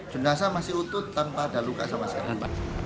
jenazah masih utut tanpa ada luka sama sekali